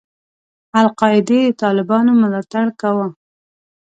القاعدې د طالبانو ملاتړ کاوه.